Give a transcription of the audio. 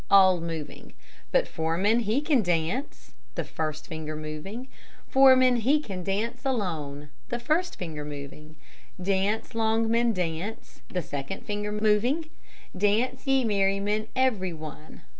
(all moving But Foreman, he can dance alone, (the first finger moving Foreman, he can dance alone. (the first finger moving Dance, Longman, dance, (the second finger moving Dance, ye merrymen, everyone.